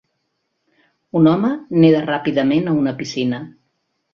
Un home neda ràpidament a una piscina.